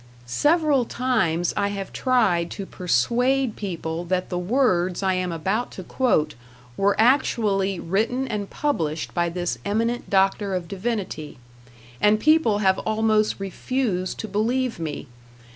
Several times I have tried to persuade people that the words I am about to quote were actually written and published by this eminent doctor of divinity, and people have almost refused to believe me.